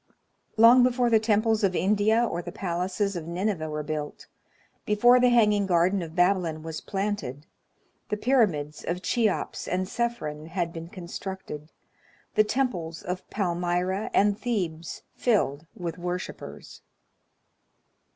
Long before the temples of India or the palaces of Nineveh were built, before the hanging garden of Babylon was planted, the pyramids of Cheops and Cephren had been constructed, the temples of Palmyra and Thebes filled with worshipers.